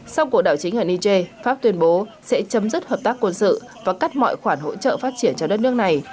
sau cuộc đảo chính ở niger pháp tuyên bố sẽ chấm dứt hợp tác quân sự và cắt mọi khoản hỗ trợ phát triển cho đất nước này